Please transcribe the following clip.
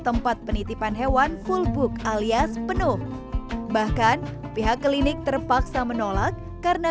tempat penitipan hewan full book alias penuh bahkan pihak klinik terpaksa menolak karena